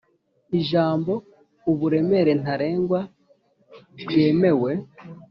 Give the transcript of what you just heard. Ijambo "uburemere ntarengwa bwemewe "